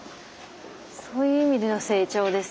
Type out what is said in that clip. そういう意味での成長ですね。